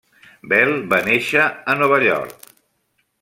Bell va néixer a Nova York.